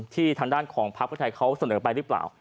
ที่ทางด้านของพักก้าวไก่ไทยเขาเสนอไปหรือเปล่า